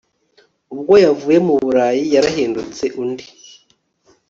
ubwo yavuye mu burayi yarahindutse undi